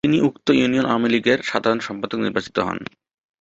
তিনি উক্ত ইউনিয়ন আওয়ামীলীগের সাধারণ সম্পাদক নির্বাচিত হন।